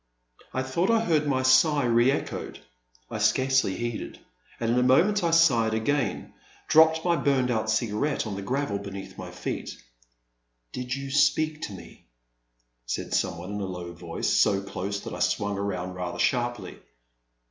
I thought I heard my sigh re echoed — I scarcely heeded ; and in a moment I sighed again, drop ping my burned out cigarette on the gravel beneath my feet. Did you speak to me ?" said some one in a low voice, so close that I swung around rather sharply.